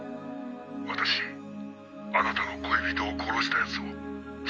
「私あなたの恋人を殺した奴を知ってますよ」